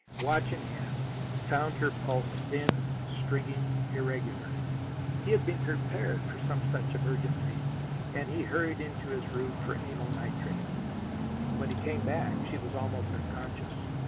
watch in hand, found her pulse thin, stringy, irregular. He had been prepared for some such emergency, and he hurried into his room for amyl nitrate. When he came back she was almost unconscious.